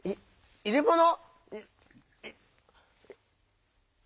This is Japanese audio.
「いれもの」。